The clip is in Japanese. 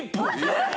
えっ！？